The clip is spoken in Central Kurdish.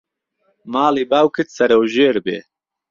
ماڵی باوکت سهرهوژێر بێ